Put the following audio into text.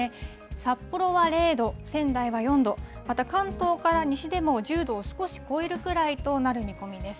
札幌は０度、仙台は４度、また、関東から西でも１０度を少し超えるくらいとなる見込みです。